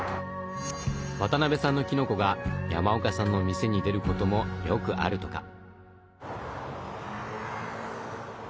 渡辺さんのきのこが山岡さんの店に出ることもよくあるとか。